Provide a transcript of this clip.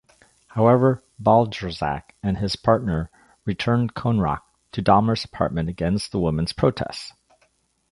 However, Balcerzak and his partner returned Konerak to Dahmer's apartment, against the women's protests.